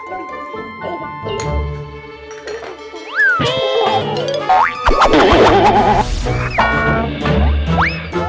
oh makasih ya